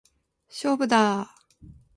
勝負だー！